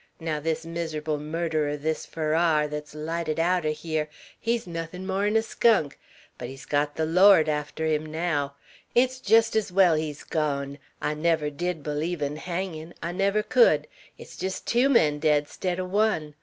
Naow this miser'ble murderer, this Farrar, thet's lighted out er hyar, he's nothin' more'n a skunk, but he's got the Lawd arter him, naow. It's jest's well he's gawn; I never did b'leeve in hangin'. I never could. It's jest tew men dead 'stead o' one.